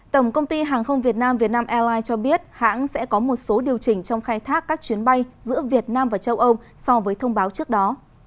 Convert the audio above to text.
tổng công ty hàng không việt nam vietnam airlines cho biết hãng sẽ có một số điều chỉnh trong khai thác các chuyến bay giữa việt nam và châu âu so với thông báo trước đó